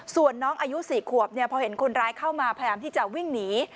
ส่วนน้องอายุ๔ขวบพอเห็นคนร้ายเข้ามาพยายามที่จะวิ่งหนี